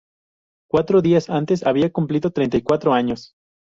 Cuatro días antes había cumplido treinta y cuatro años.